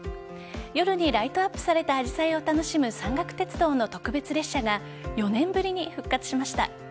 夜にライトアップされたアジサイを楽しむ山岳鉄道の特別列車が４年ぶりに復活しました。